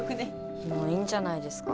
もういいんじゃないですか？